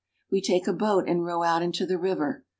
We take a boat and row out into the river.